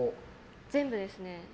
全部ですね。